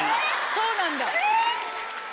そうなんだ。